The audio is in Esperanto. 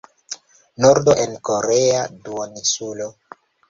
Nordo en korea duoninsulo.